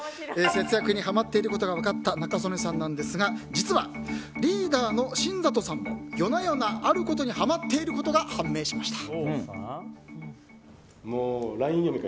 節約にハマっていることが分かった仲宗根さんなんですが実は、リーダーの新里さんも夜な夜なあることにハマっていることが判明しました。